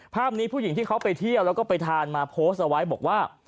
ภาพนี้ผู้หญิงที่เขาไปเที่ยวแล้วก็ไปทานมาโพสต์เอาไว้บอกว่า